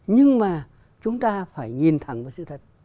nhưng mà chúng ta phải nhìn thẳng vào sự thật